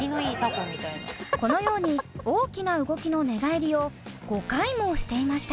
このように大きな動きの寝返りを５回もしていました。